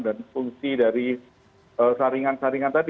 dan fungsi dari saringan saringan tadi